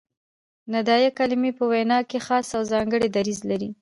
ندائیه کلیمې په ویناوو کښي خاص او ځانګړی دریځ لري.